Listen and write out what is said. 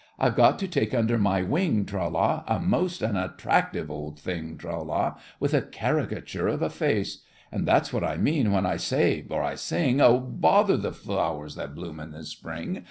I've got to take under my wing, Tra la, A most unattractive old thing, Tra la, With a caricature of a face And that's what I mean when I say, or I sing, "Oh, bother the flowers that bloom in the spring."